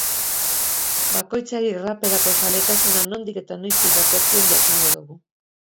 Bakoitzari raperako zaletasuna nondik eta noiztik datorkion jakingo dugu.